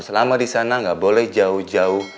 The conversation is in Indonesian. selama di sana nggak boleh jauh jauh